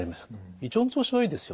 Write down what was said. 胃腸の調子はいいですよ。